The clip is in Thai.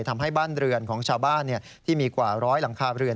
ทำให้บ้านเรือนของชาวบ้านที่มีกว่าร้อยหลังคาเรือน